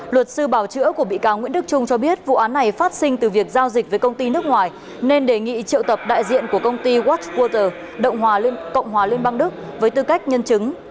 luật sư bảo chữa của bị cáo nguyễn đức trung cho biết vụ án này phát sinh từ việc giao dịch với công ty nước ngoài nên đề nghị triệu tập đại diện của công ty watchwater động hòa liên bang đức với tư cách nhân chứng